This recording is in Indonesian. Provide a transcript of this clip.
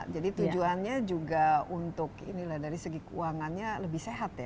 jadi tujuannya juga untuk ini lah dari segi keuangannya lebih sehat ya